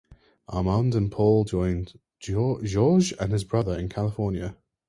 Armand and Paul joined Georges and his brother in California.